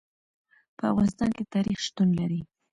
په افغانستان کې تاریخ شتون لري.